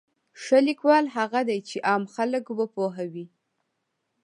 ښه لیکوال هغه دی چې عام خلک وپوهوي.